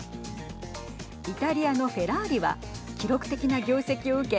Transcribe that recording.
イタリアのフェラーリは記録的な業績を受け